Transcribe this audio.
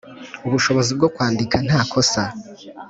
ubushobozi bwo kwandika nta kosa